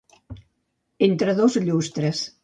Entre dos llustres.